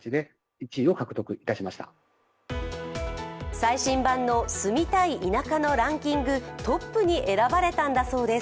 最新版の住みたい田舎のランキングトップに選ばれたんだそうです。